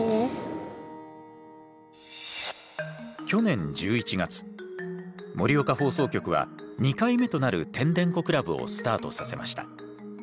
去年１１月盛岡放送局は２回目となるてんでんこクラブをスタートさせました。